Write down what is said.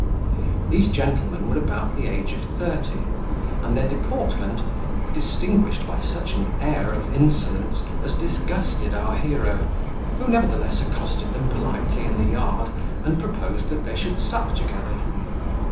These gentlemen were about the age of thirty, and their deportment distinguished by such an air of insolence, as disgusted our hero, who, nevertheless, accosted them politely in the yard, and proposed that they should sup together.